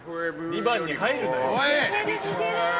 ２番に入るなよ！